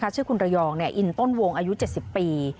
ชื่อคุณระยองอินต้นวงอายุ๗๐ปี